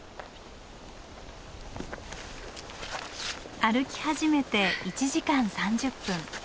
歩き始めて１時間３０分。